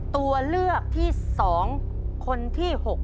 ตัวเลือกที่๒คนที่๖